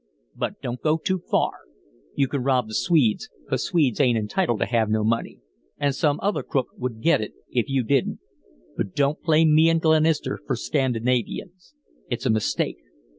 But don't go too far you can rob the Swedes, 'cause Swedes ain't entitled to have no money, an' some other crook would get it if you didn't, but don't play me an' Glenister fer Scandinavians. It's a mistake.